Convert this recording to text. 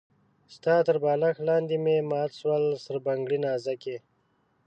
ستا تر بالښت لاندې مي مات سول سره بنګړي نازکي